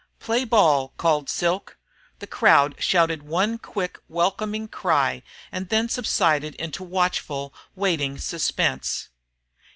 "Play ball!" called Silk. The crowd shouted one quick welcoming cry and then subsided into watchful waiting suspense.